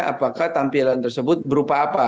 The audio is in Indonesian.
apakah tampilan tersebut berupa apa